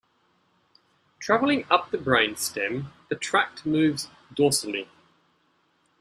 Traveling up the brainstem, the tract moves dorsally.